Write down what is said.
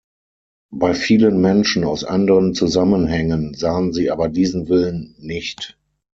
Bei vielen Menschen aus anderen Zusammenhängen sahen sie aber diesen Willen nicht.